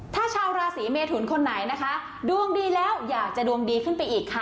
ถ้าชาวราศีเมทุนคนไหนนะคะดวงดีแล้วอยากจะดวงดีขึ้นไปอีกค่ะ